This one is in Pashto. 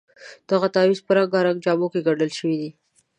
دغه تعویض په رنګارنګ جامو کې ګنډل شوی دی.